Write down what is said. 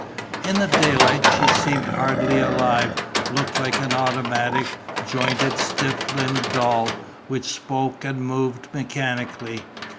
In the daylight she seemed hardly alive, looked like an automatic, jointed, stiff limbed doll, which spoke and moved mechanically.